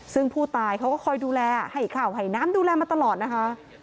ซึ่งผู้ตายเขาก็คอยดูแลให้ข่าวให้น้ำดูแลมาตลอดนะคะ